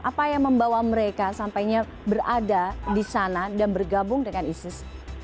apa yang membawa mereka sampainya berada di sana dan bergabung dengan isis